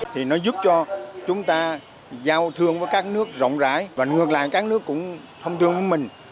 thì nó giúp cho chúng ta giao thương với các nước rộng rãi và ngược lại các nước cũng thông thương với mình